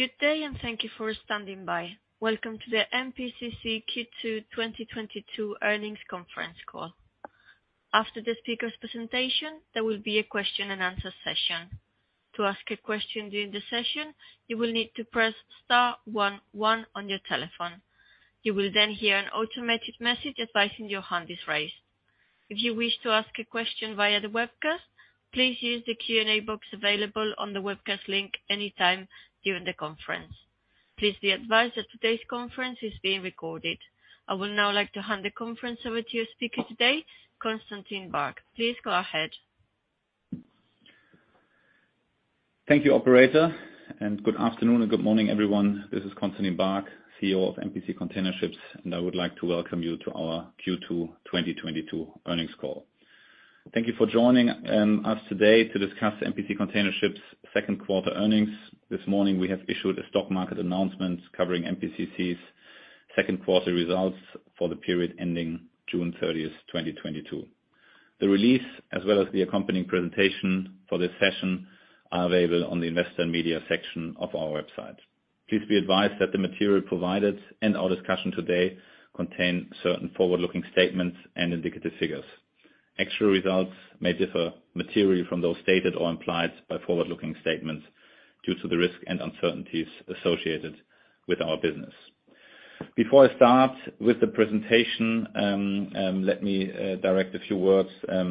Good day and thank you for standing by. Welcome to the MPCC Q2 2022 Earnings Conference Call. After the speaker's presentation, there will be a question-and-answer session. To ask a question during the session, you will need to press star one one on your telephone. You will then hear an automated message advising your hand is raised. If you wish to ask a question via the webcast, please use the Q&A box available on the webcast link anytime during the conference. Please be advised that today's conference is being recorded. I would now like to hand the conference over to your speaker today, Constantin Baack. Please go ahead. Thank you, operator, and good afternoon and good morning, everyone. This is Constantin Baack, CEO of MPC Container Ships, and I would like to welcome you to our Q2 2022 Earnings Call. Thank you for joining us today to discuss MPC Container Ships' Second Quarter Earnings. This morning, we have issued a stock market announcement covering MPCC's second quarter results for the period ending June 30th, 2022. The release, as well as the accompanying presentation for this session, are available on the investor and media section of our website. Please be advised that the material provided and our discussion today contain certain forward-looking statements and indicative figures. Actual results may differ materially from those stated or implied by forward-looking statements due to the risk and uncertainties associated with our business. Before I start with the presentation, let me direct a few words as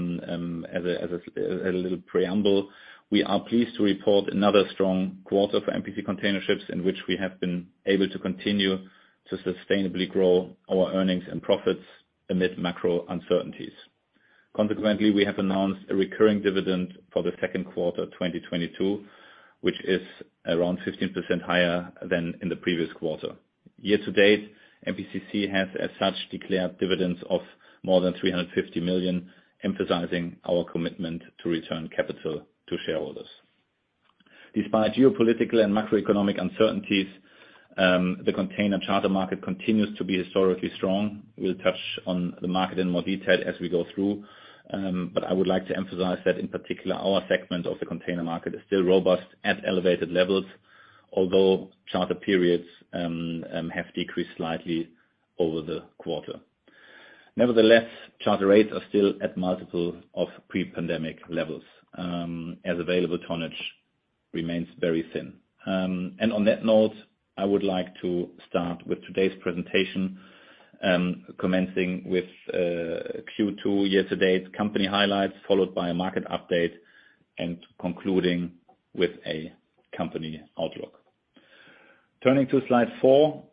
a little preamble. We are pleased to report another strong quarter for MPC Container Ships in which we have been able to continue to sustainably grow our earnings and profits amid macro uncertainties. Consequently, we have announced a recurring dividend for the second quarter 2022, which is around 15% higher than in the previous quarter. Year to date, MPCC has, as such, declared dividends of more than 350 million, emphasizing our commitment to return capital to shareholders. Despite geopolitical and macroeconomic uncertainties, the container charter market continues to be historically strong. We'll touch on the market in more detail as we go through, but I would like to emphasize that, in particular, our segment of the container market is still robust at elevated levels, although charter periods have decreased slightly over the quarter. Nevertheless, charter rates are still at multiple of pre-pandemic levels, as available tonnage remains very thin. On that note, I would like to start with today's presentation, commencing with Q2 year-to-date's company highlights, followed by a market update, and concluding with a company outlook. Turning to slide four,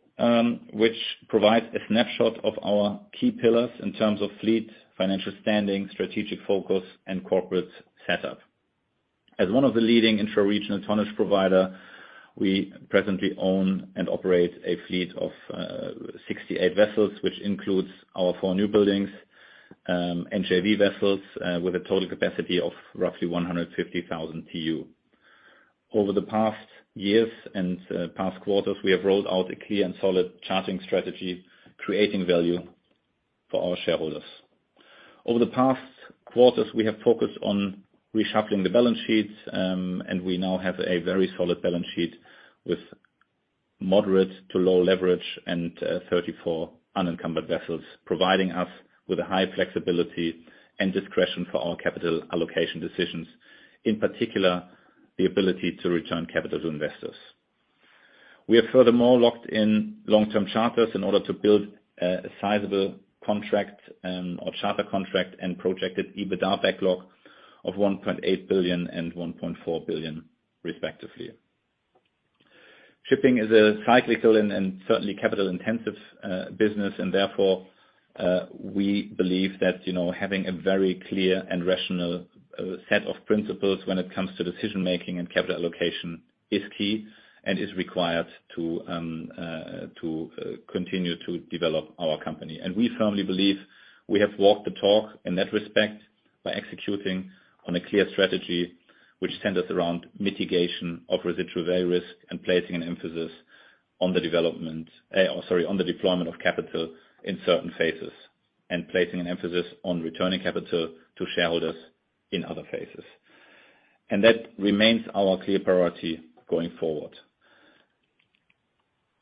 which provides a snapshot of our key pillars in terms of fleet, financial standing, strategic focus, and corporate setup. As one of the leading intra-regional tonnage providers, we presently own and operate a fleet of 68 vessels, which includes our four newbuilds, NJV vessels, with a total capacity of roughly 150,000 TEU. Over the past years and past quarters, we have rolled out a clear and solid chartering strategy creating value for our shareholders. Over the past quarters, we have focused on reshuffling the balance sheets, and we now have a very solid balance sheet with moderate to low leverage and 34 unencumbered vessels, providing us with a high flexibility and discretion for our capital allocation decisions, in particular, the ability to return capital to investors. We have furthermore locked in long-term charters in order to build a sizable contract or charter contract and projected EBITDA backlog of $1.8 billion and $1.4 billion, respectively. Shipping is a cyclical and certainly capital-intensive business, and therefore we believe that you know having a very clear and rational set of principles when it comes to decision-making and capital allocation is key and is required to continue to develop our company. We firmly believe we have walked the talk in that respect by executing on a clear strategy which centers around mitigation of residual value risk and placing an emphasis on the deployment of capital in certain phases and placing an emphasis on returning capital to shareholders in other phases. That remains our clear priority going forward.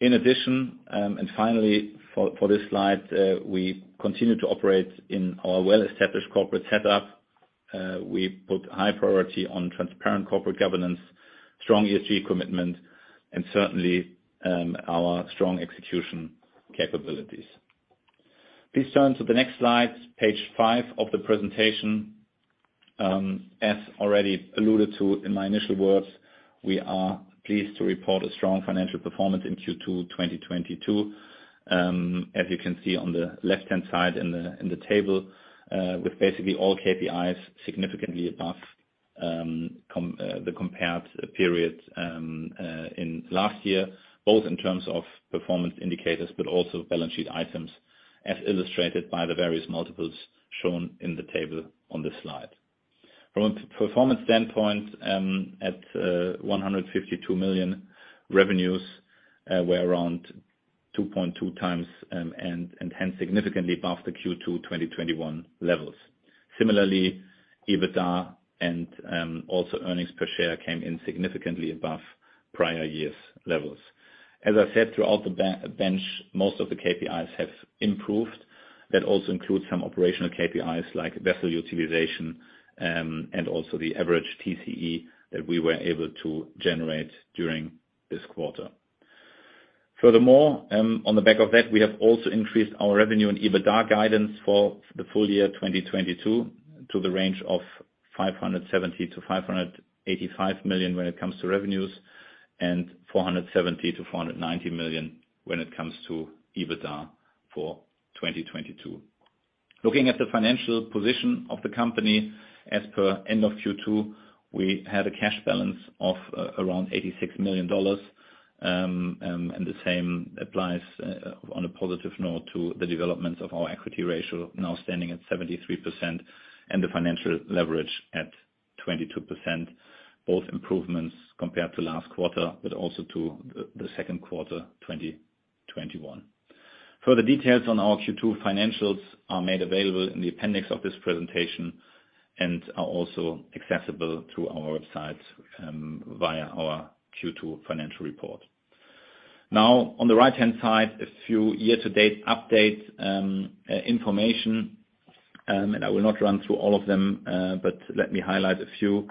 In addition, and finally, for this slide, we continue to operate in our well-established corporate setup. We put high priority on transparent corporate governance, strong ESG commitment, and certainly, our strong execution capabilities. Please turn to the next slide, page five of the presentation. As already alluded to in my initial words, we are pleased to report a strong financial performance in Q2 2022, as you can see on the left-hand side in the table, with basically all KPIs significantly above the compared period in last year, both in terms of performance indicators but also balance sheet items, as illustrated by the various multiples shown in the table on this slide. From a performance standpoint, at $152 million revenues, we're around 2.2x and hence significantly above the Q2 2021 levels. Similarly, EBITDA and also earnings per share came in significantly above prior year's levels. As I said, throughout the benchmark, most of the KPIs have improved. That also includes some operational KPIs like vessel utilization, and also the average TCE that we were able to generate during this quarter. Furthermore, on the back of that, we have also increased our revenue and EBITDA guidance for the full year 2022 to the range of $570 million-$585 million when it comes to revenues and $470 million-$490 million when it comes to EBITDA for 2022. Looking at the financial position of the company as per end of Q2, we had a cash balance of around $86 million. The same applies, on a positive note to the developments of our equity ratio, now standing at 73%, and the financial leverage at 22%, both improvements compared to last quarter but also to the second quarter 2021. Further details on our Q2 financials are made available in the appendix of this presentation and are also accessible through our website, via our Q2 financial report. Now, on the right-hand side, a few year-to-date updates, information, and I will not run through all of them, but let me highlight a few.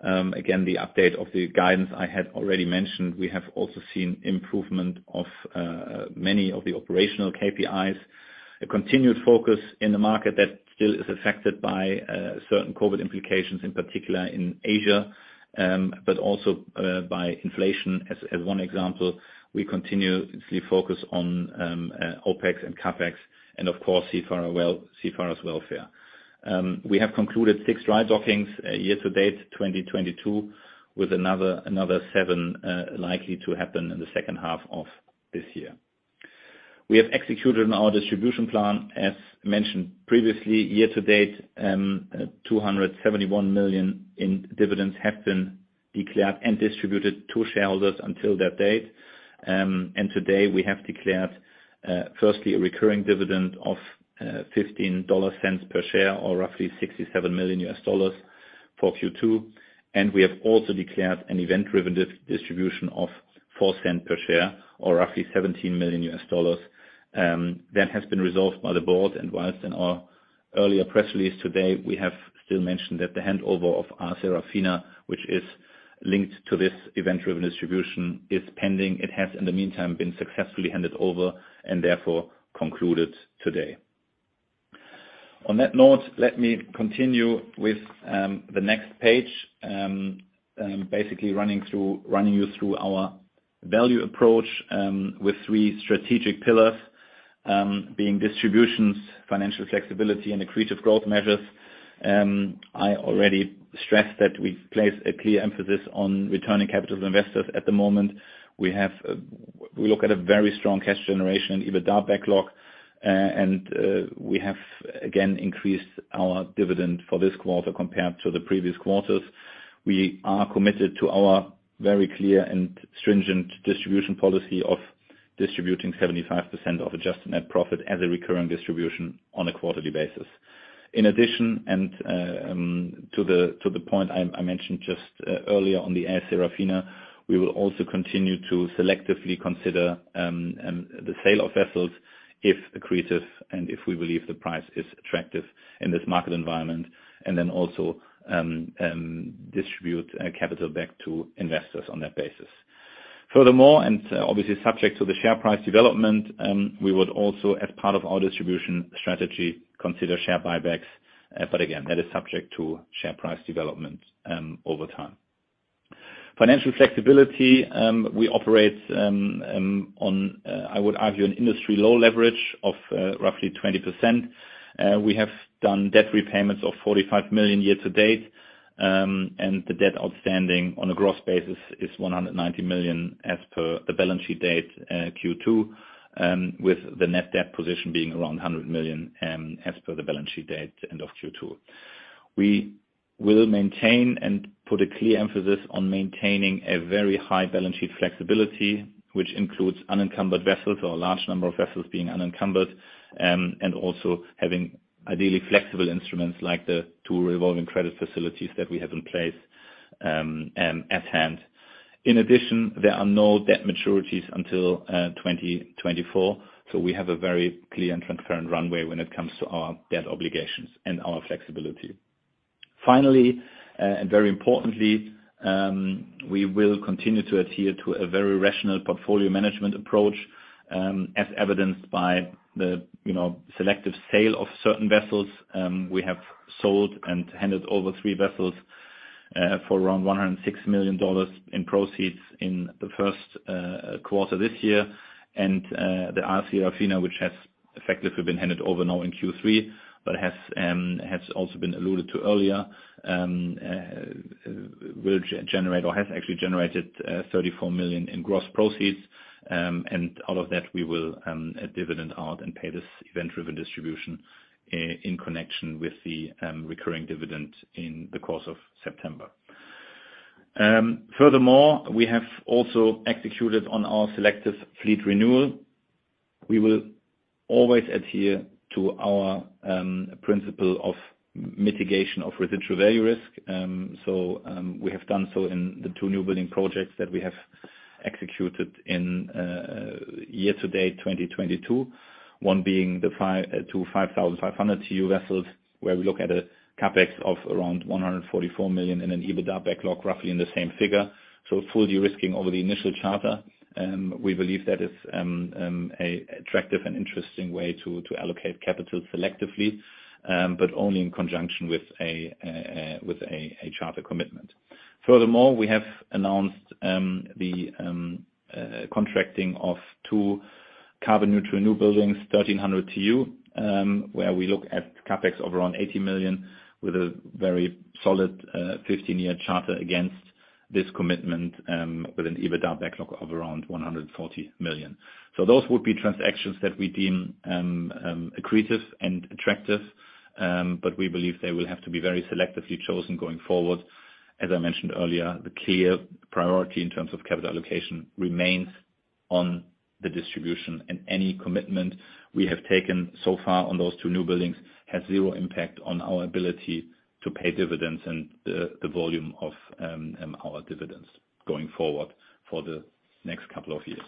Again, the update of the guidance I had already mentioned. We have also seen improvement of many of the operational KPIs, a continued focus in the market that still is affected by certain COVID implications, in particular in Asia, but also by inflation, as one example. We continuously focus on OpEx and CapEx and, of course, crew welfare. We have concluded six dry dockings, year to date 2022, with another seven likely to happen in the second half of this year. We have executed on our distribution plan. As mentioned previously, year to date, $271 million in dividends have been declared and distributed to shareholders until that date. Today, we have declared, firstly, a recurring dividend of $0.15 per share, or roughly $67 million, for Q2. We have also declared an event-driven distribution of $0.04 per share, or roughly $17 million. That has been resolved by the board. While in our earlier press release today, we have still mentioned that the handover of our Serafina, which is linked to this event-driven distribution, is pending, it has, in the meantime, been successfully handed over and therefore concluded today. On that note, let me continue with the next page, basically running you through our value approach, with three strategic pillars, being distributions, financial flexibility, and accretive growth measures. I already stressed that we place a clear emphasis on returning capital to investors. At the moment, we have we look at a very strong cash generation and EBITDA backlog, and we have again increased our dividend for this quarter compared to the previous quarters. We are committed to our very clear and stringent distribution policy of distributing 75% of adjusted net profit as a recurring distribution on a quarterly basis. In addition, to the point I mentioned just earlier on the AS Serafina, we will also continue to selectively consider the sale of vessels if accretive and if we believe the price is attractive in this market environment, and then also distribute capital back to investors on that basis. Furthermore, obviously subject to the share price development, we would also as part of our distribution strategy consider share buybacks, but again that is subject to share price development over time. Financial flexibility, we operate on, I would argue, an industry low leverage of roughly 20%. We have done debt repayments of $45 million year to date, and the debt outstanding on a gross basis is $190 million as per the balance sheet date, Q2, with the net debt position being around $100 million, as per the balance sheet date end of Q2. We will maintain and put a clear emphasis on maintaining a very high balance sheet flexibility, which includes unencumbered vessels, or a large number of vessels being unencumbered, and also having ideally flexible instruments like the two revolving credit facilities that we have in place at hand. In addition, there are no debt maturities until 2024, so we have a very clear and transparent runway when it comes to our debt obligations and our flexibility. Finally, and very importantly, we will continue to adhere to a very rational portfolio management approach, as evidenced by the you know selective sale of certain vessels. We have sold and handed over three vessels for around $106 million in proceeds in the first quarter this year. The AS Serafina, which has effectively been handed over now in Q3 but has also been alluded to earlier, will generate or has actually generated $34 million in gross proceeds. Out of that, we will dividend out and pay this event-driven distribution in connection with the recurring dividend in the course of September. Furthermore, we have also executed on our selective fleet renewal. We will always adhere to our principle of mitigation of residual value risk. We have done so in the two newbuild projects that we have executed in year to date 2022, one being the two 5,500 TEU vessels where we look at a CapEx of around $144 million and an EBITDA backlog roughly in the same figure, so fully risking over the initial charter. We believe that is an attractive and interesting way to allocate capital selectively, but only in conjunction with a charter commitment. Furthermore, we have announced the contracting of two carbon-neutral newbuilds, 1,300 TEU, where we look at CapEx of around $80 million with a very solid 15-year charter against this commitment, with an EBITDA backlog of around $140 million. Those would be transactions that we deem accretive and attractive, but we believe they will have to be very selectively chosen going forward. As I mentioned earlier, the clear priority in terms of capital allocation remains on the distribution, and any commitment we have taken so far on those two newbuilds has zero impact on our ability to pay dividends and the volume of our dividends going forward for the next couple of years.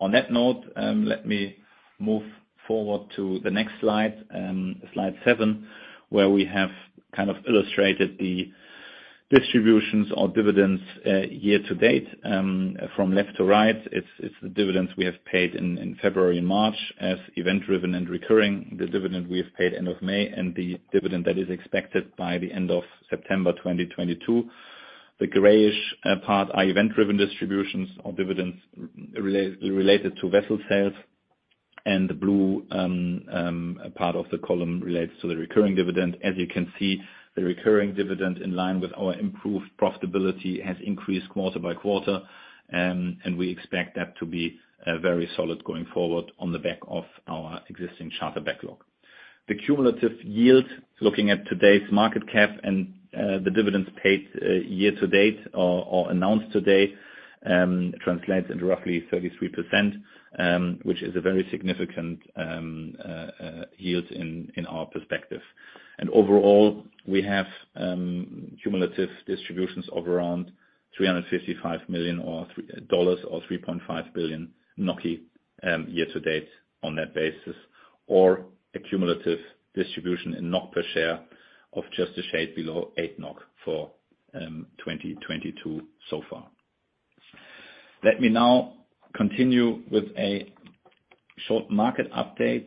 On that note, let me move forward to the next slide, slide seven, where we have kind of illustrated the distributions or dividends, year to date, from left to right. It's the dividends we have paid in February and March as event-driven and recurring, the dividend we have paid end of May, and the dividend that is expected by the end of September 2022. The grayish part are event-driven distributions or dividends related to vessel sales, and the blue part of the column relates to the recurring dividend. As you can see, the recurring dividend, in line with our improved profitability, has increased quarter-by-quarter, and we expect that to be very solid going forward on the back of our existing charter backlog. The cumulative yield, looking at today's market cap and the dividends paid year to date or announced today, translates into roughly 33%, which is a very significant yield in our perspective. Overall, we have cumulative distributions of around $355 million or 3.5 billion NOK year to date on that basis, or a cumulative distribution in NOK per share of just a shade below 8 NOK for 2022 so far. Let me now continue with a short market update.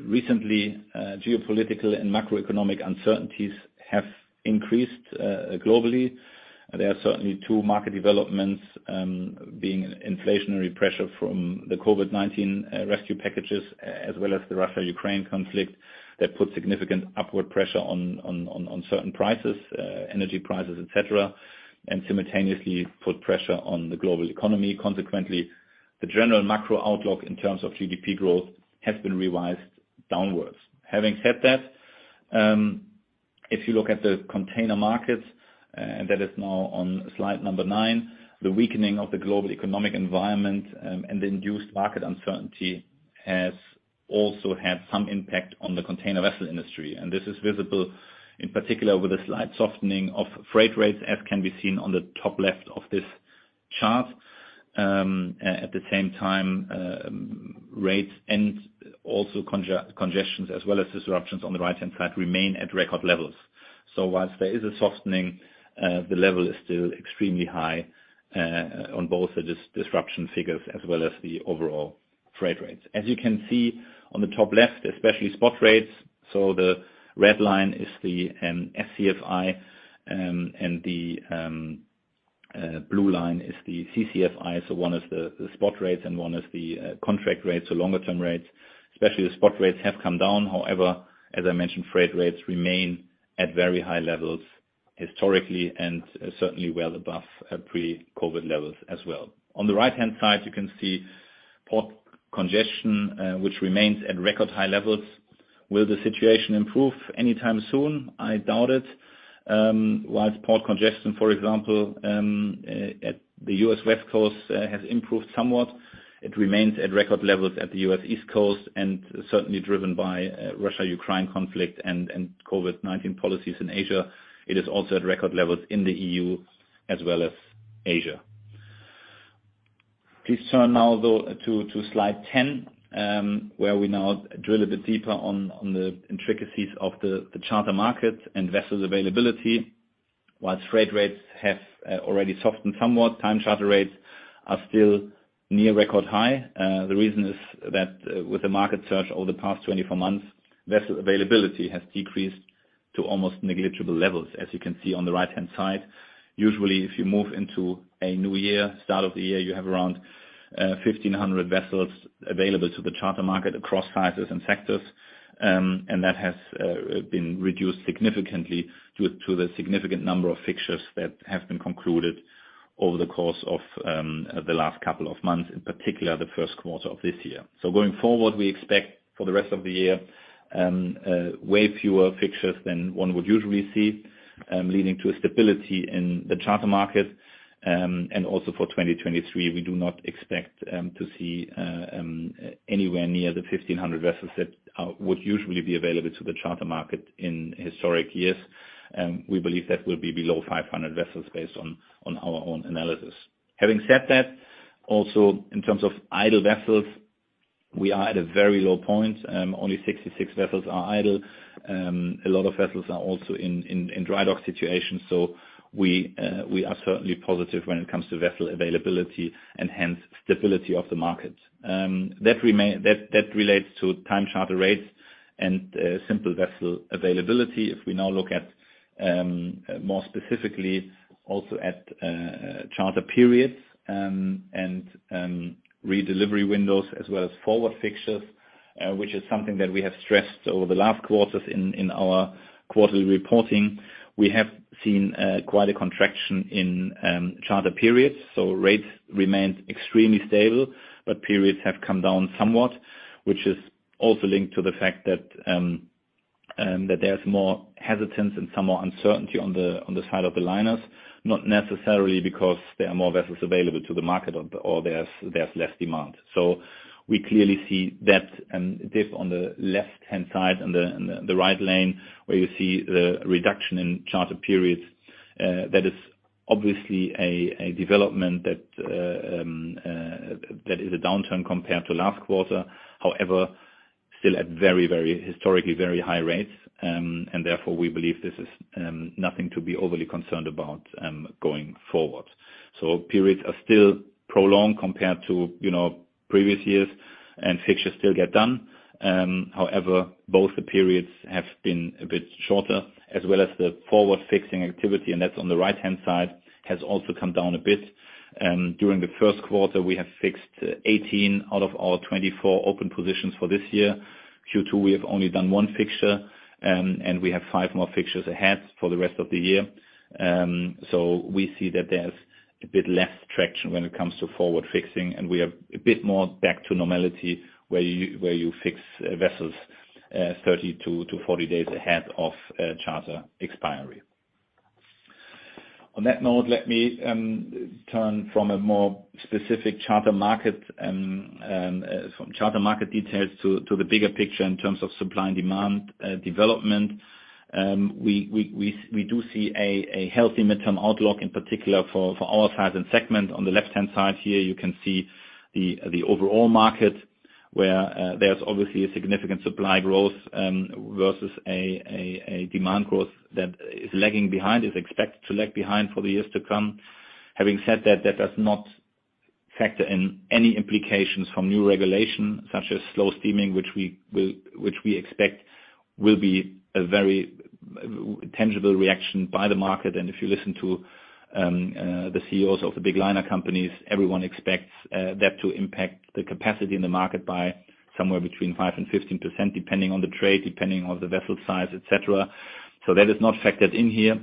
Recently, geopolitical and macroeconomic uncertainties have increased globally. There are certainly two market developments, being inflationary pressure from the COVID-19 rescue packages, as well as the Russia-Ukraine conflict that put significant upward pressure on certain prices, energy prices, etc., and simultaneously put pressure on the global economy. Consequently, the general macro outlook in terms of GDP growth has been revised downwards. Having said that, if you look at the container markets, and that is now on slide number nine, the weakening of the global economic environment and the induced market uncertainty has also had some impact on the container vessel industry. This is visible, in particular, with a slight softening of freight rates, as can be seen on the top left of this chart. At the same time, rates and also congestions as well as disruptions on the right-hand side remain at record levels. While there is a softening, the level is still extremely high, on both the disruption figures as well as the overall freight rates. As you can see on the top left, especially spot rates, so the red line is the SCFI, and the blue line is the CCFI, so one is the spot rates and one is the contract rates, so longer-term rates. Especially the spot rates have come down. However, as I mentioned, freight rates remain at very high levels historically and certainly well above pre-COVID levels as well. On the right-hand side, you can see port congestion, which remains at record high levels. Will the situation improve anytime soon? I doubt it. While port congestion, for example, at the U.S. West Coast, has improved somewhat, it remains at record levels at the U.S. East Coast, and certainly driven by Russia-Ukraine conflict and COVID-19 policies in Asia, it is also at record levels in the E.U. as well as Asia. Please turn now, though, to slide 10, where we now drill a bit deeper on the intricacies of the charter market and vessel availability. While freight rates have already softened somewhat, time charter rates are still near record high. The reason is that, with the market surge over the past 24 months, vessel availability has decreased to almost negligible levels, as you can see on the right-hand side. Usually, if you move into a new year, start of the year, you have around 1,500 vessels available to the charter market across sizes and sectors, and that has been reduced significantly due to the significant number of fixtures that have been concluded over the course of the last couple of months, in particular the first quarter of this year. Going forward, we expect for the rest of the year way fewer fixtures than one would usually see, leading to a stability in the charter market. Also for 2023, we do not expect to see anywhere near the 1,500 vessels that would usually be available to the charter market in historic years. We believe that will be below 500 vessels based on our own analysis. Having said that, also, in terms of idle vessels, we are at a very low point. Only 66 vessels are idle. A lot of vessels are also in dry dock situations, so we are certainly positive when it comes to vessel availability and hence stability of the market. That relates to time charter rates and simple vessel availability if we now look at more specifically also at charter periods and redelivery windows as well as forward fixtures, which is something that we have stressed over the last quarters in our quarterly reporting. We have seen quite a contraction in charter periods, so rates remained extremely stable, but periods have come down somewhat, which is also linked to the fact that there's more hesitance and some more uncertainty on the side of the liners, not necessarily because there are more vessels available to the market or there's less demand. We clearly see that dip on the left-hand side in the right lane where you see the reduction in charter periods. That is obviously a development that is a downturn compared to last quarter, however, still at historically very high rates. Therefore, we believe this is nothing to be overly concerned about, going forward. Periods are still prolonged compared to, you know, previous years, and fixtures still get done. However, both the periods have been a bit shorter, as well as the forward fixing activity, and that's on the right-hand side, has also come down a bit. During the first quarter, we have fixed 18 out of our 24 open positions for this year. Q2, we have only done one fixture, and we have five more fixtures ahead for the rest of the year. We see that there's a bit less traction when it comes to forward fixing, and we are a bit more back to normality where you fix vessels 30 to 40 days ahead of charter expiry. On that note, let me turn from a more specific charter market, from charter market details to the bigger picture in terms of supply and demand development. We do see a healthy midterm outlook, in particular for our size and segment. On the left-hand side here, you can see the overall market where there's obviously a significant supply growth versus a demand growth that is lagging behind, is expected to lag behind for the years to come. Having said that does not factor in any implications from new regulation such as slow steaming, which we expect will be a very tangible reaction by the market. If you listen to the CEOs of the big liner companies, everyone expects that to impact the capacity in the market by somewhere between 5%-15%, depending on the trade, depending on the vessel size, etc. That is not factored in here.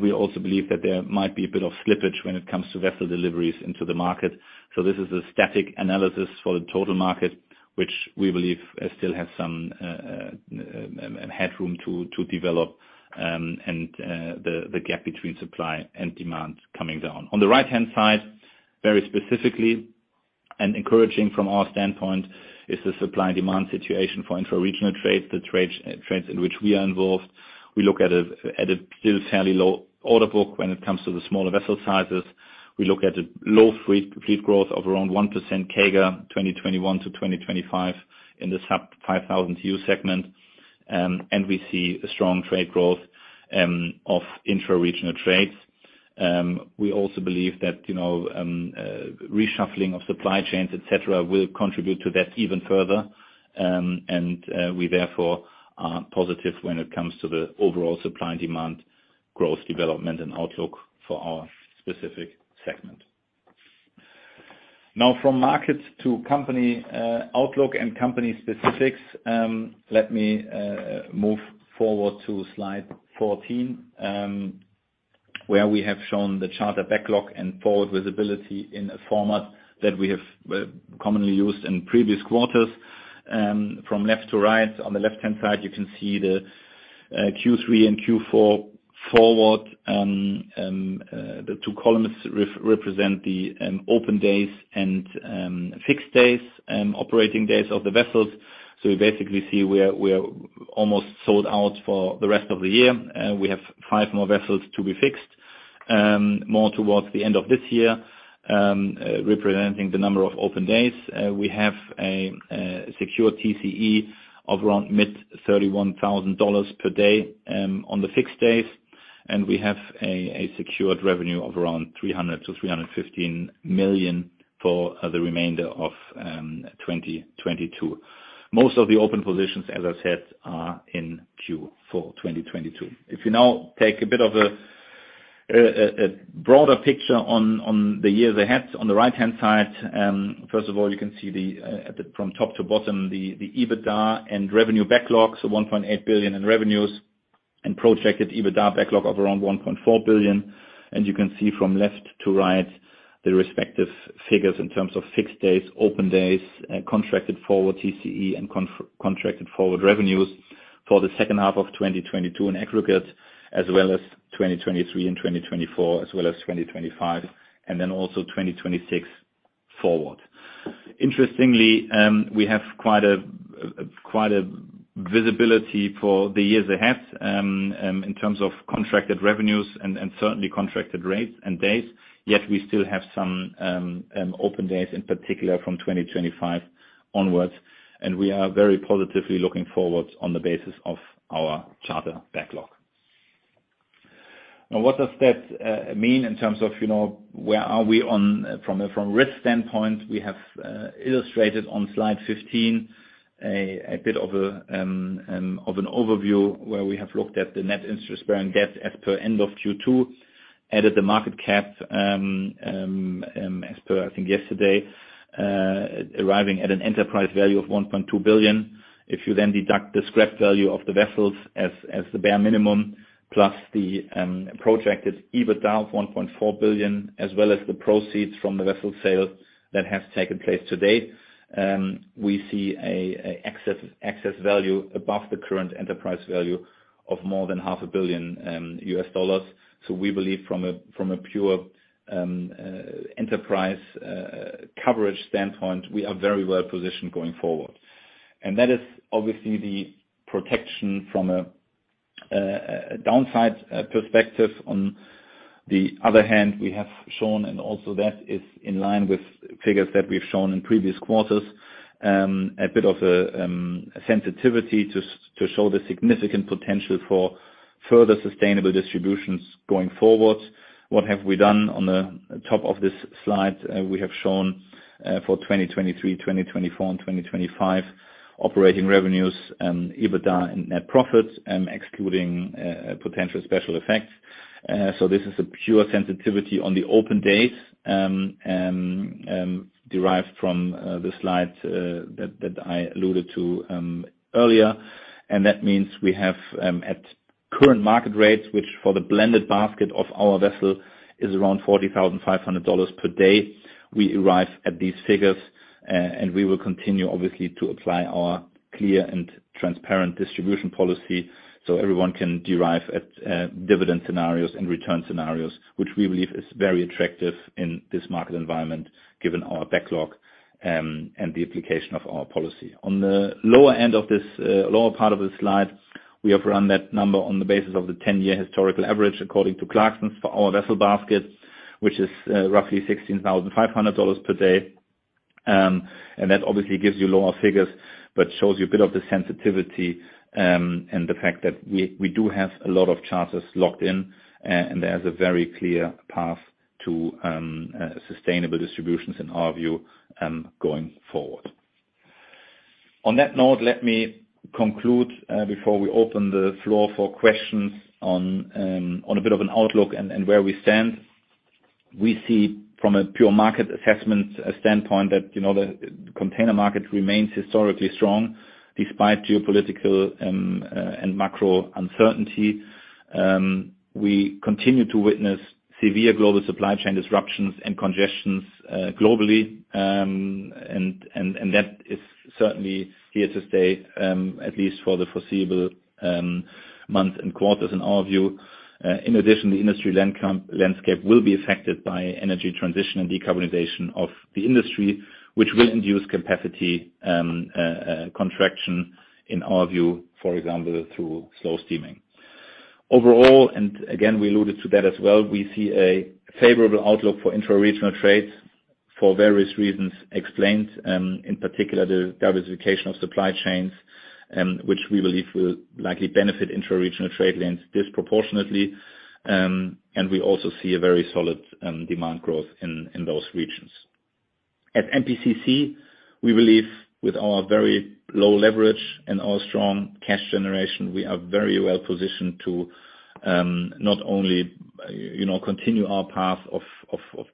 We also believe that there might be a bit of slippage when it comes to vessel deliveries into the market. This is a static analysis for the total market, which we believe still has some headroom to develop, and the gap between supply and demand coming down. On the right-hand side, very specifically and encouraging from our standpoint is the supply and demand situation for intra-regional trades, the trades in which we are involved. We look at a still fairly low order book when it comes to the smaller vessel sizes. We look at a low fleet growth of around 1% CAGR 2021 to 2025 in the sub-5,000 TEU segment, and we see a strong trade growth of intra-regional trades. We also believe that, you know, reshuffling of supply chains, etc., will contribute to that even further. We therefore are positive when it comes to the overall supply and demand growth development and outlook for our specific segment. Now, from market to company outlook and company specifics, let me move forward to slide 14, where we have shown the charter backlog and forward visibility in a format that we have commonly used in previous quarters. From left to right, on the left-hand side, you can see the Q3 and Q4 forward. The two columns represent the open days and fixed days, operating days of the vessels. We basically see we are almost sold out for the rest of the year. We have five more vessels to be fixed, more towards the end of this year, representing the number of open days. We have a secured TCE of around mid-$31,000 per day on the fixed days, and we have a secured revenue of around $300 million-$315 million for the remainder of 2022. Most of the open positions, as I said, are in Q4 2022. If you now take a bit of a broader picture on the years ahead, on the right-hand side, first of all, you can see from top to bottom the EBITDA and revenue backlog, so $1.8 billion in revenues and projected EBITDA backlog of around $1.4 billion. You can see from left to right the respective figures in terms of fixed days, open days, contracted forward TCE, and contracted forward revenues for the second half of 2022 in aggregate, as well as 2023 and 2024, as well as 2025, and then also 2026 forward. Interestingly, we have quite a visibility for the years ahead, in terms of contracted revenues and certainly contracted rates and days, yet we still have some open days in particular from 2025 onwards. We are very positively looking forward on the basis of our charter backlog. Now, what does that mean in terms of you know where we are from a risk standpoint? We have illustrated on slide 15 a bit of an overview where we have looked at the net interest bearing debt as per end of Q2, added the market cap as per I think yesterday, arriving at an enterprise value of $1.2 billion. If you then deduct the scrap value of the vessels as the bare minimum plus the projected EBITDA of $1.4 billion, as well as the proceeds from the vessel sale that has taken place today, we see an excess value above the current enterprise value of more than half a billion U.S. dollars. We believe from a pure enterprise coverage standpoint we are very well positioned going forward. That is obviously the protection from a downside perspective. On the other hand, we have shown, and also that is in line with figures that we've shown in previous quarters, a bit of a sensitivity to show the significant potential for further sustainable distributions going forward. What have we done? On the top of this slide, we have shown, for 2023, 2024, and 2025, operating revenues, EBITDA and net profit, excluding potential special effects. This is a pure sensitivity on the open days, derived from the slide that I alluded to earlier. That means we have, at current market rates, which for the blended basket of our vessel is around $40,500 per day, we arrive at these figures, and we will continue, obviously, to apply our clear and transparent distribution policy so everyone can derive at dividend scenarios and return scenarios, which we believe is very attractive in this market environment given our backlog, and the application of our policy. On the lower end of this, lower part of the slide, we have run that number on the basis of the 10-year historical average according to Clarksons for our vessel basket, which is, roughly $16,500 per day. That obviously gives you lower figures but shows you a bit of the sensitivity, and the fact that we do have a lot of charters locked in, and there's a very clear path to sustainable distributions in our view, going forward. On that note, let me conclude before we open the floor for questions on a bit of an outlook and where we stand. We see from a pure market assessment standpoint that, you know, the container market remains historically strong despite geopolitical and macro uncertainty. We continue to witness severe global supply chain disruptions and congestions globally, and that is certainly here to stay, at least for the foreseeable months and quarters in our view. In addition, the industry landscape will be affected by energy transition and decarbonization of the industry, which will induce capacity contraction in our view, for example, through slow steaming. Overall, and again, we alluded to that as well, we see a favorable outlook for intra-regional trades for various reasons explained, in particular the diversification of supply chains, which we believe will likely benefit intra-regional trade lanes disproportionately. We also see a very solid demand growth in those regions. At MPCC, we believe with our very low leverage and our strong cash generation, we are very well positioned to, not only, you know, continue our path of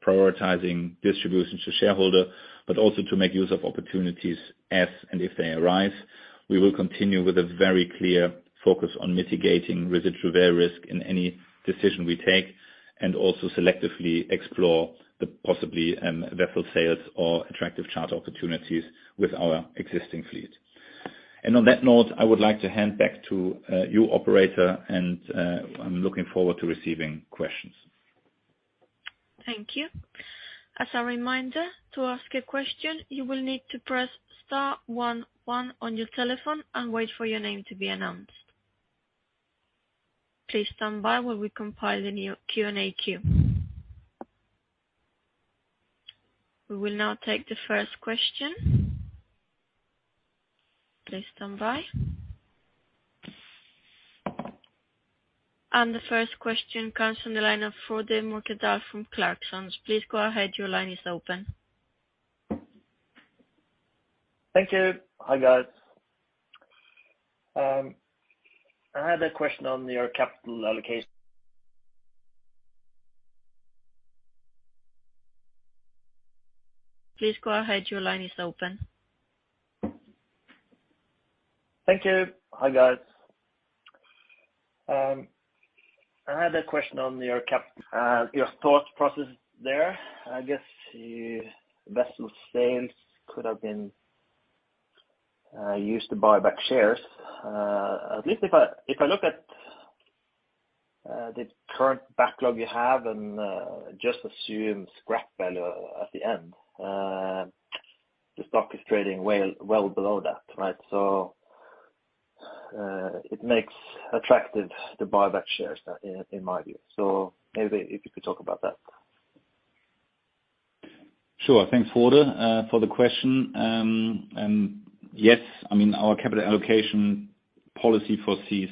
prioritizing distributions to shareholders but also to make use of opportunities as and if they arise. We will continue with a very clear focus on mitigating various residual risk in any decision we take and also selectively explore the possibility of vessel sales or attractive charter opportunities with our existing fleet. On that note, I would like to hand back to you, operator, and I'm looking forward to receiving questions. Thank you. As a reminder, to ask a question, you will need to press star one one on your telephone and wait for your name to be announced. Please stand by while we compile the new Q&A queue. We will now take the first question. Please stand by. The first question comes from the line of Frode Mørkedal from Clarksons. Please go ahead. Your line is open. Thank you. Hi, guys. I had a question on your capital allocation. Please go ahead. Your line is open. Thank you. Hi, guys. I had a question on your CapEx, your thought process there. I guess vessel sales could have been used to buy back shares, at least if I look at the current backlog you have and just assume scrap value at the end. The stock is trading well below that, right? It makes attractive to buy back shares in my view. Maybe if you could talk about that. Sure. Thanks, Frode, for the question. Yes. I mean, our capital allocation policy foresees,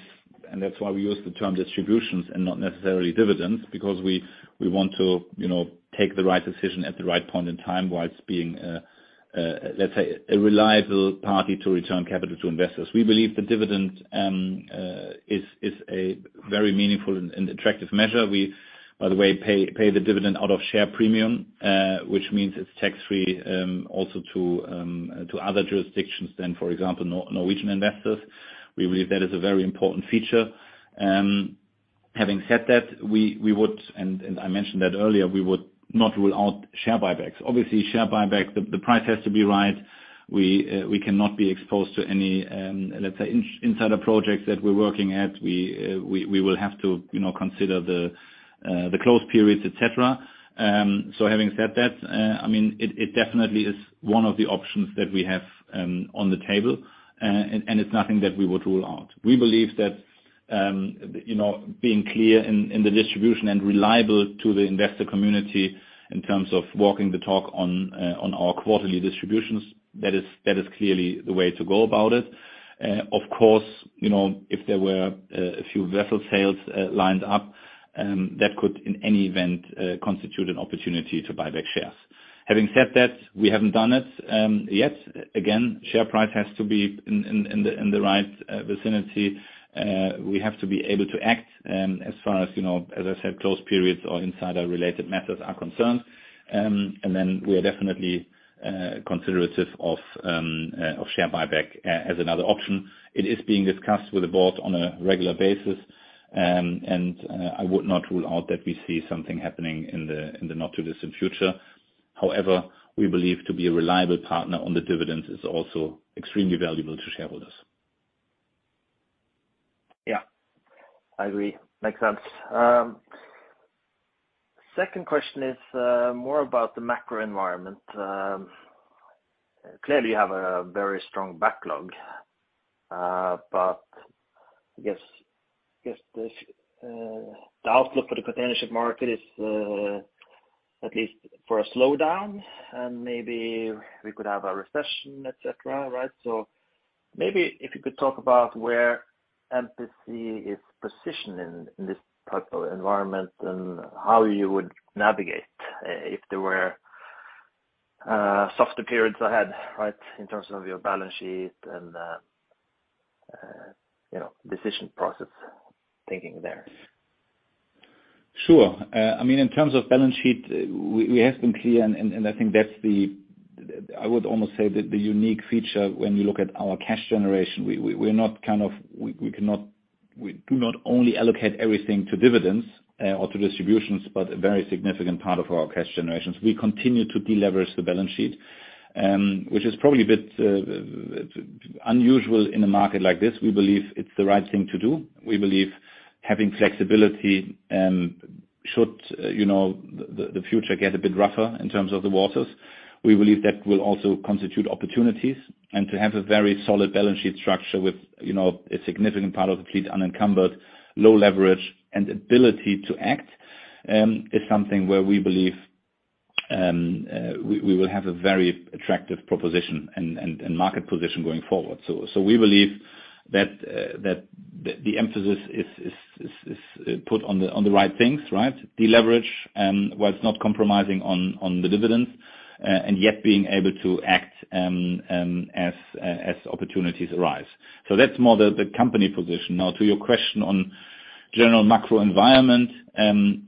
and that's why we use the term distributions and not necessarily dividends, because we want to, you know, take the right decision at the right point in time while it's being, let's say, a reliable party to return capital to investors. We believe the dividend is a very meaningful and attractive measure. We, by the way, pay the dividend out of share premium, which means it's tax-free, also to other jurisdictions than, for example, Norwegian investors. We believe that is a very important feature. Having said that, we would and I mentioned that earlier, we would not rule out share buybacks. Obviously, share buyback, the price has to be right. We cannot be exposed to any, let's say, insider projects that we're working at. We will have to, you know, consider the close periods, etc. so having said that, I mean, it definitely is one of the options that we have on the table, and it's nothing that we would rule out. We believe that, you know, being clear in the distribution and reliable to the investor community in terms of walking the talk on our quarterly distributions, that is clearly the way to go about it. Of course, you know, if there were a few vessel sales lined up, that could in any event constitute an opportunity to buy back shares. Having said that, we haven't done it yet. Again, share price has to be in the right vicinity. We have to be able to act, as far as, you know, as I said, close periods or insider-related matters are concerned. Then we are definitely considering share buyback, as another option. It is being discussed with the board on a regular basis, and I would not rule out that we see something happening in the not-too-distant future. However, we believe to be a reliable partner on the dividends is also extremely valuable to shareholders. Yeah. I agree. Makes sense. Second question is, more about the macro environment. Clearly, you have a very strong backlog, but I guess the outlook for the container ship market is, at least for a slowdown, and maybe we could have a recession, etc., right? Maybe if you could talk about where MPC is positioned in this type of environment and how you would navigate, if there were softer periods ahead, right, in terms of your balance sheet and, you know, decision process thinking there. Sure. I mean, in terms of balance sheet, we have been clear, and I think that's the, I would almost say, the unique feature when you look at our cash generation. We do not only allocate everything to dividends, or to distributions but a very significant part of our cash generation. We continue to deleverage the balance sheet, which is probably a bit unusual in a market like this. We believe it's the right thing to do. We believe having flexibility, should you know the future get a bit rougher in terms of the waters, we believe that will also constitute opportunities. To have a very solid balance sheet structure with, you know, a significant part of the fleet unencumbered, low leverage, and ability to act, is something where we believe we will have a very attractive proposition and market position going forward. We believe that the emphasis is put on the right things, right, deleverage, while it's not compromising on the dividends, and yet being able to act, as opportunities arise. That's more the company position. Now, to your question on general macro environment,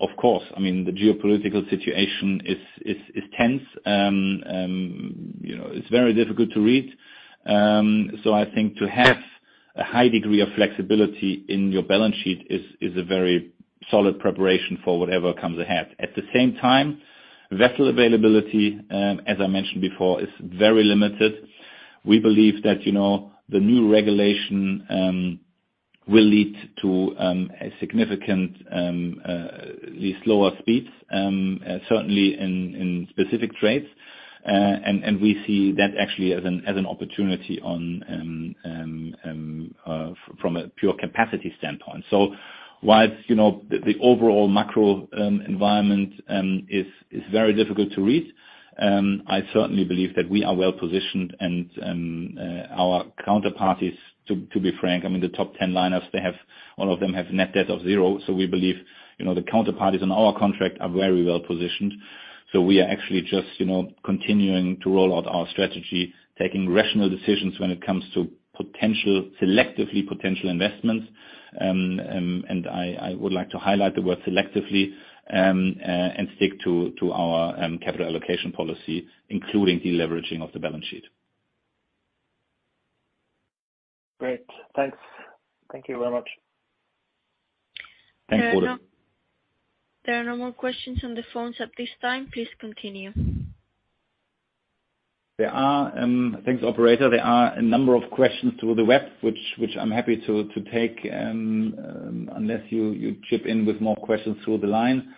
of course. I mean, the geopolitical situation is tense, you know, it's very difficult to read. I think to have a high degree of flexibility in your balance sheet is a very solid preparation for whatever comes ahead. At the same time, vessel availability, as I mentioned before, is very limited. We believe that, you know, the new regulation will lead to a significant, at least lower speeds, certainly in specific trades. We see that actually as an opportunity from a pure capacity standpoint. While, you know, the overall macro environment is very difficult to read, I certainly believe that we are well positioned and our counterparties, to be frank, I mean, the top 10 liners, they all have net debt of zero. We believe, you know, the counterparties on our contract are very well positioned. We are actually just, you know, continuing to roll out our strategy, taking rational decisions when it comes to potential selective investments. I would like to highlight the word selectively and stick to our capital allocation policy, including deleveraging of the balance sheet. Great. Thanks. Thank you very much. Thanks, Frode. There are no more questions on the phones at this time. Please continue. Thanks, operator. There are a number of questions through the web, which I'm happy to take, unless you chip in with more questions through the line.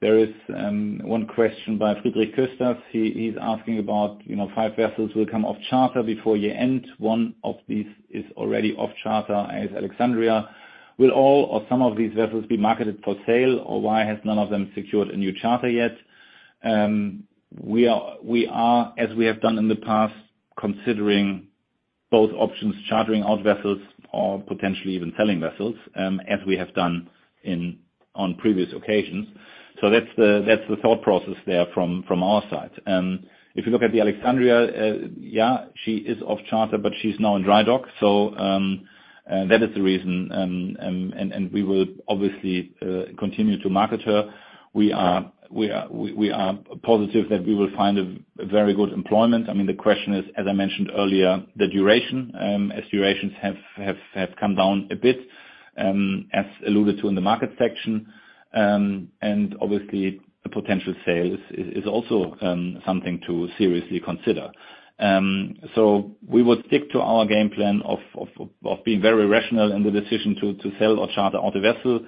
There is one question by Friedrich Kösters. He's asking about, you know, five vessels will come off charter before year-end. One of these is already off charter, AS Alexandria. Will all or some of these vessels be marketed for sale, or why has none of them secured a new charter yet? We are, as we have done in the past, considering both options, chartering out vessels or potentially even selling vessels, as we have done on previous occasions. That's the thought process there from our side. If you look at the Alexandria, yeah, she is off charter, but she's now in dry dock. That is the reason, and we will obviously continue to market her. We are positive that we will find a very good employment. I mean, the question is, as I mentioned earlier, the duration, as durations have come down a bit, as alluded to in the market section, and obviously, a potential sale is also something to seriously consider. We would stick to our game plan of being very rational in the decision to sell or charter out a vessel.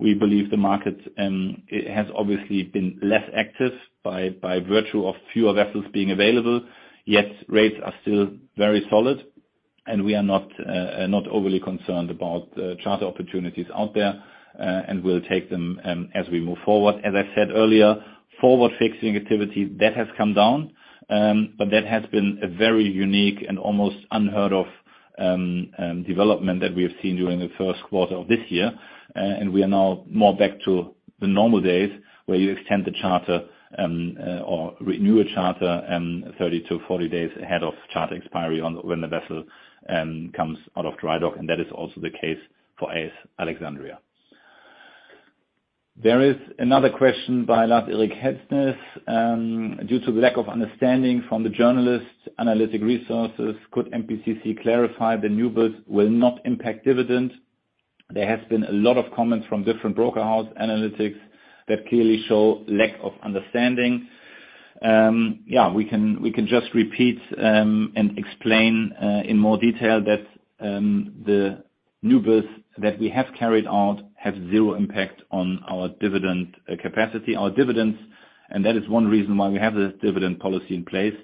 We believe the market has obviously been less active by virtue of fewer vessels being available, yet rates are still very solid. We are not overly concerned about the charter opportunities out there, and will take them as we move forward. As I said earlier, forward fixing activity that has come down, but that has been a very unique and almost unheard-of development that we have seen during the first quarter of this year. We are now more back to the normal days where you extend the charter, or renew a charter, 30-40 days ahead of charter expiry or when the vessel comes out of dry dock. That is also the case for AS Alexandria. There is another question by Lars-Erik Hetsnes. Due to the lack of understanding from the journalists, analyst resources, could MPCC clarify the newbuilds will not impact dividends? There has been a lot of comments from different broker house analysts that clearly show lack of understanding. We can just repeat and explain in more detail that the newbuilds that we have carried out have zero impact on our dividend capacity, our dividends. That is one reason why we have the dividend policy in place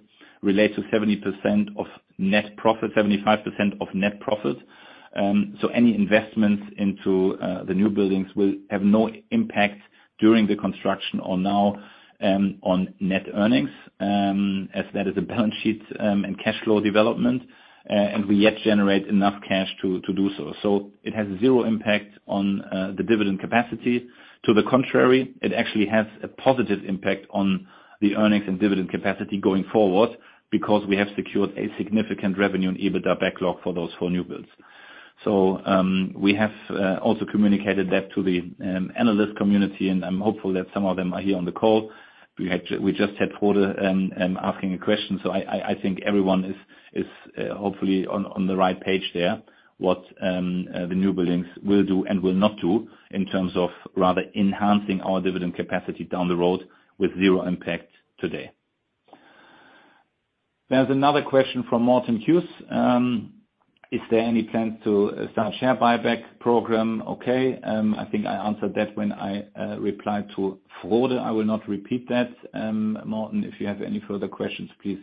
related to 70% of net profit, 75% of net profit. Any investments into the newbuilds will have no impact during the construction or now on net earnings, as that is a balance sheet and cash flow development, and we already generate enough cash to do so. It has zero impact on the dividend capacity. To the contrary, it actually has a positive impact on the earnings and dividend capacity going forward because we have secured a significant revenue and EBITDA backlog for those four newbuilds. We have also communicated that to the analyst community, and I'm hopeful that some of them are here on the call. We just had Frode asking a question. I think everyone is hopefully on the right page there, what the newbuilds will do and will not do in terms of rather enhancing our dividend capacity down the road with zero impact today. There's another question from Martin Hughes. Is there any plans to start share buyback program? Okay. I think I answered that when I replied to Frode. I will not repeat that. Martin, if you have any further questions, please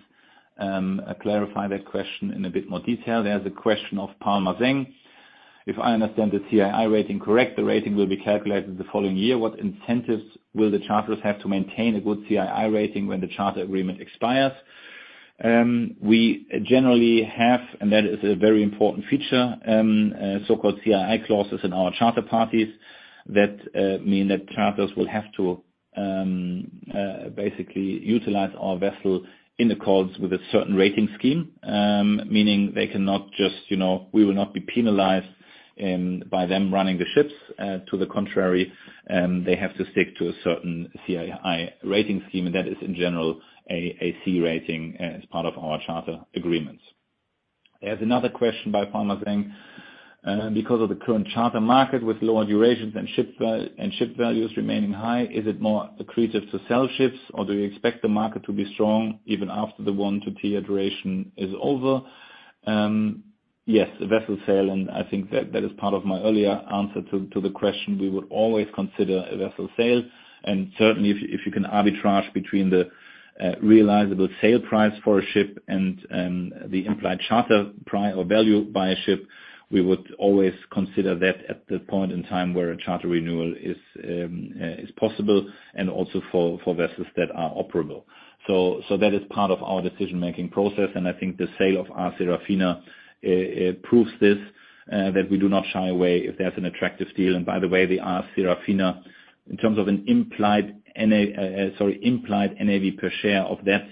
clarify that question in a bit more detail. There's a question of Pål Huisman. If I understand the CII rating correct, the rating will be calculated the following year. What incentives will the charters have to maintain a good CII rating when the charter agreement expires? We generally have, and that is a very important feature, so-called CII clauses in our charter parties that mean that charters will have to basically utilize our vessel in the calls with a certain rating scheme, meaning they cannot just, you know, we will not be penalized by them running the ships. To the contrary, they have to stick to a certain CII rating scheme, and that is in general a C rating, as part of our charter agreements. There's another question by Pål Huisman. Because of the current charter market with lower durations and ship values remaining high, is it more accretive to sell ships, or do you expect the market to be strong even after the one-year duration is over? Yes, a vessel sale, and I think that is part of my earlier answer to the question. We would always consider a vessel sale. Certainly, if you can arbitrage between the realizable sale price for a ship and the implied charter price or value by a ship, we would always consider that at the point in time where a charter renewal is possible and also for vessels that are operable. That is part of our decision-making process. I think the sale of AS Serafina proves this, that we do not shy away if there's an attractive deal. By the way, the AS Serafina, in terms of an implied NAV per share of that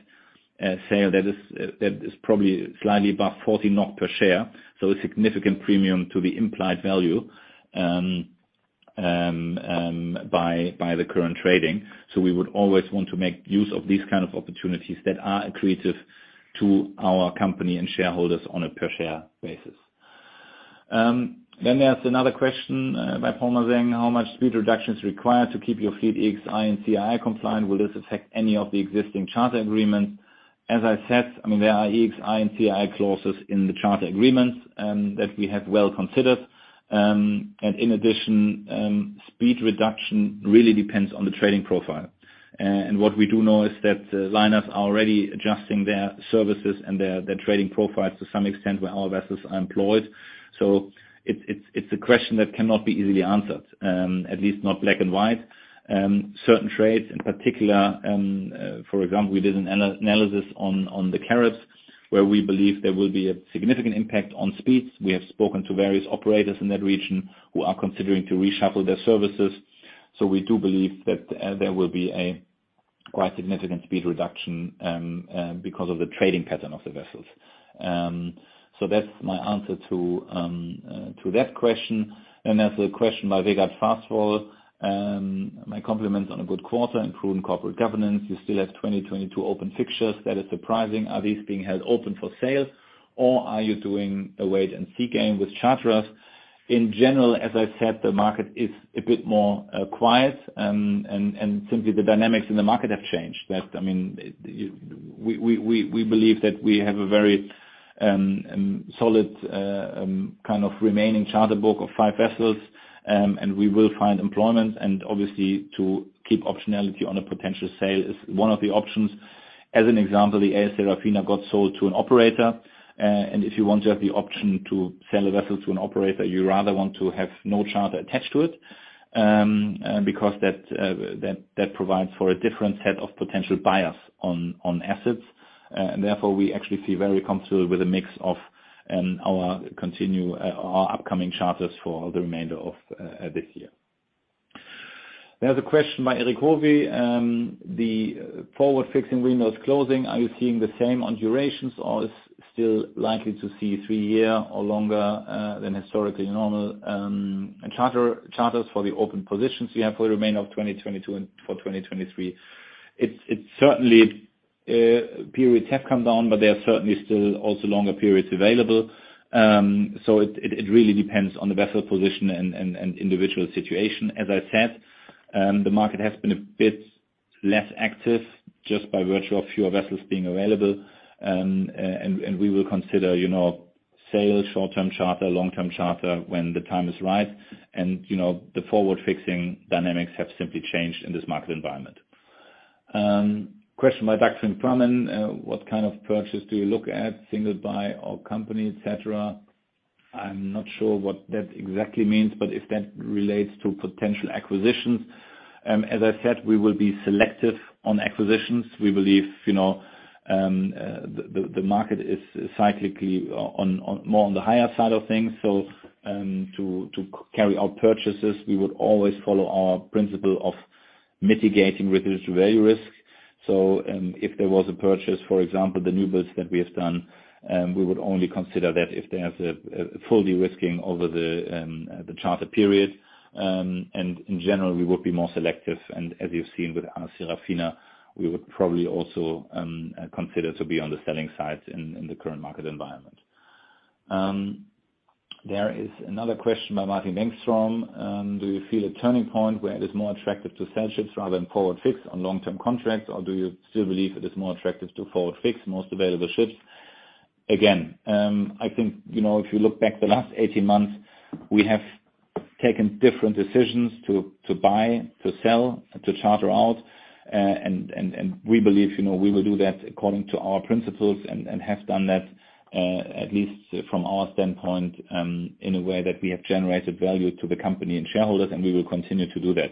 sale, that is probably slightly above 40 per share. A significant premium to the implied value by the current trading. We would always want to make use of these kind of opportunities that are accretive to our company and shareholders on a per-share basis. There's another question by Pål Huisman. How much speed reduction is required to keep your fleet EEXI and CII compliant? Will this affect any of the existing charter agreements? As I said, I mean, there are EEXI and CII clauses in the charter agreements that we have well considered. In addition, speed reduction really depends on the trading profile. What we do know is that liners are already adjusting their services and their trading profiles to some extent where our vessels are employed. It's a question that cannot be easily answered, at least not black and white. Certain trades, in particular, for example, we did an analysis on the Caribs where we believe there will be a significant impact on speeds. We have spoken to various operators in that region who are considering to reshuffle their services. We do believe that there will be a quite significant speed reduction, because of the trading pattern of the vessels. That's my answer to that question. There's a question by [Vegard Sæle]. My compliments on a good quarter improving corporate governance. You still have 2022 open fixtures. That is surprising. Are these being held open for sale, or are you doing a wait-and-see game with charterers? In general, as I said, the market is a bit more quiet, and simply the dynamics in the market have changed. That, I mean, we believe that we have a very solid kind of remaining charter book of five vessels, and we will find employment. Obviously, to keep optionality on a potential sale is one of the options. As an example, the AS Serafina got sold to an operator. If you want to have the option to sell a vessel to an operator, you rather want to have no charter attached to it, because that provides for a different set of potential buyers on assets. Therefore, we actually feel very comfortable with a mix of our upcoming charters for the remainder of this year. There's a question by Erik Hovi. The forward fixing windows closing, are you seeing the same on durations, or is it still likely to see three-year or longer than historically normal charters for the open positions you have for the remainder of 2022 and for 2023? It's certainly periods have come down, but there are certainly still also longer periods available. It really depends on the vessel position and individual situation. As I said, the market has been a bit less active just by virtue of fewer vessels being available. We will consider, you know, sale, short-term charter, long-term charter when the time is right. You know, the forward fixing dynamics have simply changed in this market environment. Question by Dr. [Promenne]. What kind of purchase do you look at, single buy or company, etc.? I'm not sure what that exactly means, but if that relates to potential acquisitions, as I said, we will be selective on acquisitions. We believe, you know, the market is cyclically on the higher side of things. To carry out purchases, we would always follow our principle of mitigating residual value risk. If there was a purchase, for example, the newbuilds that we have done, we would only consider that if there's a full de-risking over the charter period. In general, we would be more selective. As you've seen with AS Serafina, we would probably also consider to be on the selling side in the current market environment. There is another question by Martin Bengtström. Do you feel a turning point where it is more attractive to sell ships rather than forward fix on long-term contracts, or do you still believe it is more attractive to forward fix most available ships? Again, I think, you know, if you look back the last 18 months, we have taken different decisions to buy, to sell, to charter out. We believe, you know, we will do that according to our principles and have done that, at least from our standpoint, in a way that we have generated value to the company and shareholders, and we will continue to do that.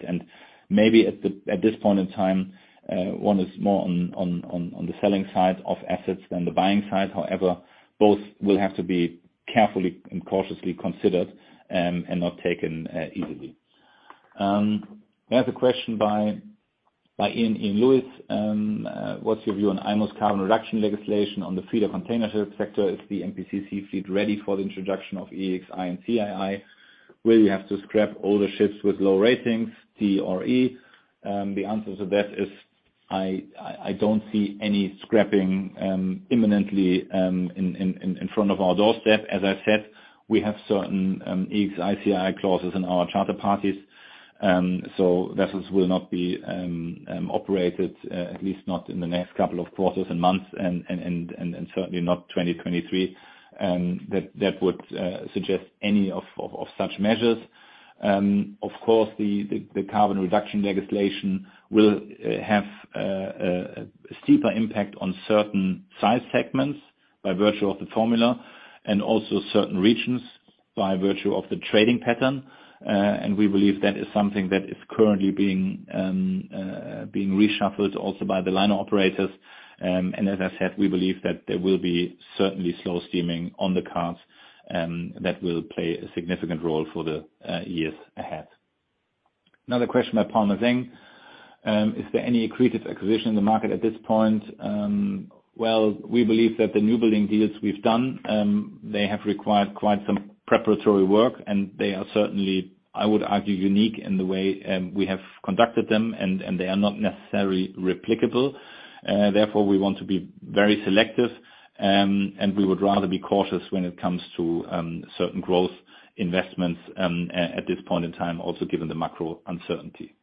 Maybe at this point in time, one is more on the selling side of assets than the buying side. However, both will have to be carefully and cautiously considered, and not taken easily. There's a question by Ian Lewis. What's your view on IMO's carbon reduction legislation on the feeder container ship sector? Is the MPCC fleet ready for the introduction of EEXI and CII? Will you have to scrap older ships with low ratings, TRE? The answer to that is I don't see any scrapping imminently in front of our doorstep. As I said, we have certain EEXI, CII clauses in our charter parties. Vessels will not be operated, at least not in the next couple of quarters and months and certainly not 2023. That would suggest any of such measures. Of course, the carbon reduction legislation will have a steeper impact on certain size segments by virtue of the formula and also certain regions by virtue of the trading pattern. We believe that is something that is currently being reshuffled also by the liner operators. As I said, we believe that there will be certainly slow steaming on the cards, that will play a significant role for the years ahead. Another question by Pål Huisman. Is there any accretive acquisition in the market at this point? Well, we believe that the newbuilding deals we've done, they have required quite some preparatory work, and they are certainly, I would argue, unique in the way we have conducted them, and they are not necessarily replicable. Therefore, we want to be very selective, and we would rather be cautious when it comes to certain growth investments, at this point in time, also given the macro uncertainty.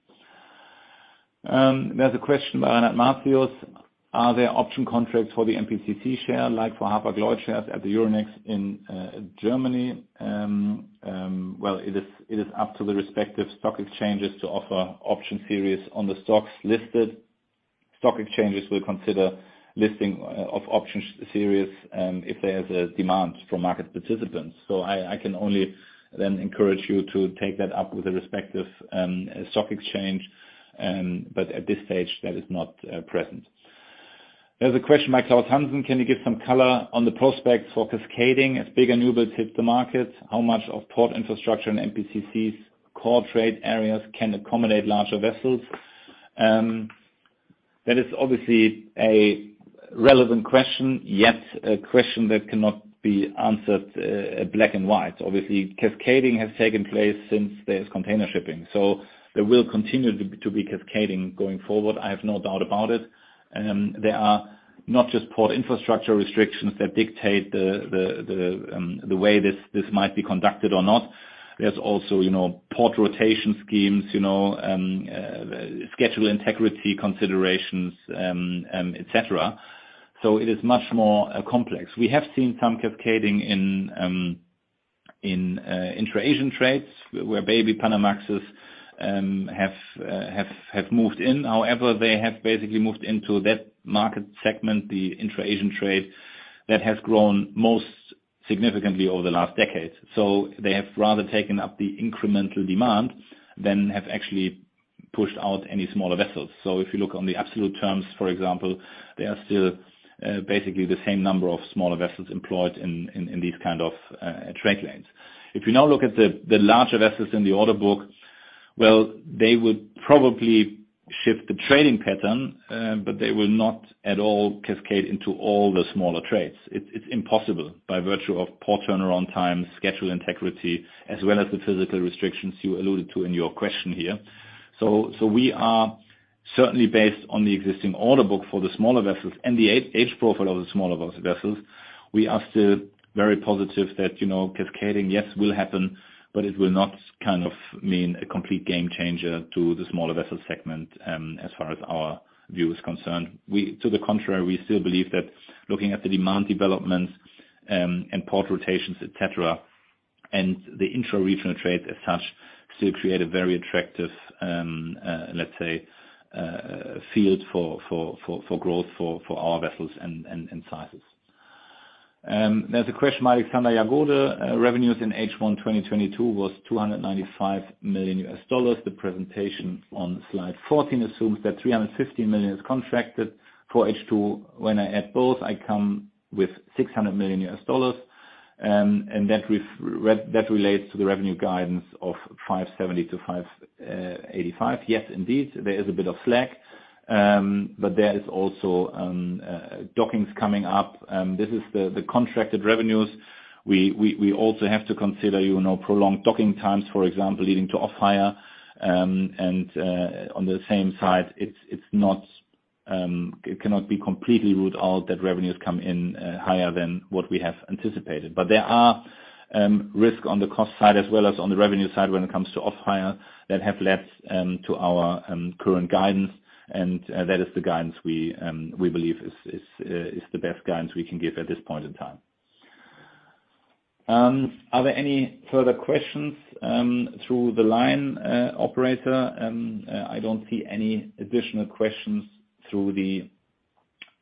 There's a question by Renat Matthios. Are there option contracts for the MPCC share, like for Hapag-Lloyd shares at the Euronext in Germany? Well, it is up to the respective stock exchanges to offer option series on the stocks listed. Stock exchanges will consider listing of option series if there is a demand from market participants. I can only then encourage you to take that up with the respective stock exchange. At this stage, that is not present. There's a question by Klaus Hansen. Can you give some color on the prospects for cascading as bigger newbuilds hit the market? How much of port infrastructure and MPCC's core trade areas can accommodate larger vessels? That is obviously a relevant question, yet a question that cannot be answered black and white. Obviously, cascading has taken place since there is container shipping. There will continue to be cascading going forward. I have no doubt about it. There are not just port infrastructure restrictions that dictate the way this might be conducted or not. There's also, you know, port rotation schemes, you know, schedule integrity considerations, etc. It is much more complex. We have seen some cascading in intra-Asian trades where Baby Panamaxes have moved in. However, they have basically moved into that market segment, the intra-Asian trade, that has grown most significantly over the last decade. They have rather taken up the incremental demand than have actually pushed out any smaller vessels. If you look on the absolute terms, for example, there are still basically the same number of smaller vessels employed in these kind of trade lanes. If you now look at the larger vessels in the order book, well, they would probably shift the trading pattern, but they will not at all cascade into all the smaller trades. It's impossible by virtue of port turnaround times, schedule integrity, as well as the physical restrictions you alluded to in your question here. We are certainly based on the existing order book for the smaller vessels and the age profile of the smaller vessels. We are still very positive that, you know, cascading, yes, will happen, but it will not kind of mean a complete game changer to the smaller vessel segment, as far as our view is concerned. To the contrary, we still believe that looking at the demand developments, and port rotations, etc., and the intra-regional trades as such still create a very attractive, let's say, field for growth for our vessels and sizes. There's a question by Alexander Jagoda. Revenues in H1 2022 was $295 million. The presentation on slide 14 assumes that $315 million is contracted for H2. When I add both, I come with $600 million. That refers to the revenue guidance of $570 million-$585 million. Yes, indeed, there is a bit of slack. There is also dockings coming up. This is the contracted revenues. We also have to consider, you know, prolonged docking times, for example, leading to off-hire. On the same side, it's not, it cannot be completely ruled out that revenues come in higher than what we have anticipated. But there are risks on the cost side as well as on the revenue side when it comes to off-hire that have led to our current guidance. That is the guidance we believe is the best guidance we can give at this point in time. Are there any further questions through the line, operator? I don't see any additional questions through the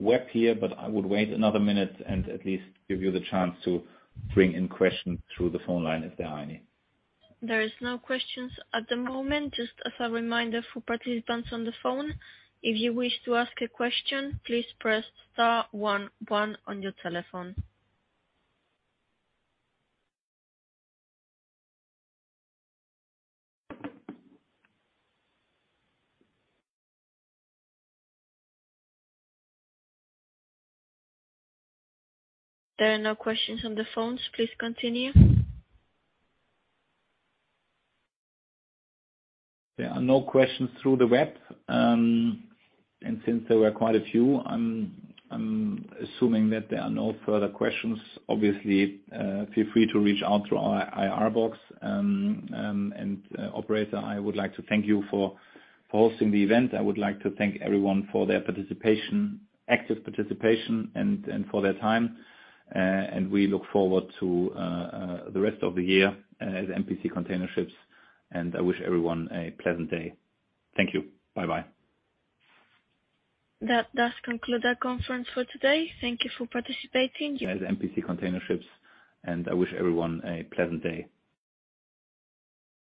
web here, but I would wait another minute and at least give you the chance to bring in questions through the phone line if there are any. There are no questions at the moment. Just as a reminder for participants on the phone, if you wish to ask a question, please press star one one on your telephone. There are no questions on the phones. Please continue. There are no questions through the web. Since there were quite a few, I'm assuming that there are no further questions. Obviously, feel free to reach out through our IR box. Operator, I would like to thank you for hosting the event. I would like to thank everyone for their participation, active participation, and for their time. We look forward to the rest of the year as MPC Container Ships. I wish everyone a pleasant day. Thank you. Bye-bye. That does conclude our conference for today. Thank you for participating. As MPC Container Ships. I wish everyone a pleasant day.